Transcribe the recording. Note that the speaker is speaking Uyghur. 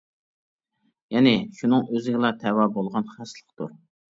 يەنى، شۇنىڭ ئۆزىگىلا تەۋە بولغان خاسلىقتۇر.